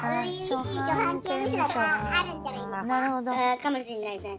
かもしんないですね。